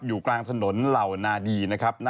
อยู่กลางถนนเหล่านาดีนะครับ